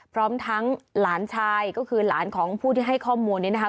พร้อมทั้งหลานชายก็คือหลานของผู้ที่ให้ข้อมูลนี้นะคะ